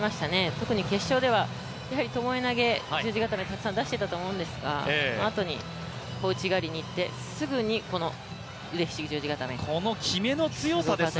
特に決勝ではともえ投げ、十字固めたくさん出していたと思うんですがあとに小内刈りにいってすぐに腕ひしぎ十字固め、すごかったですね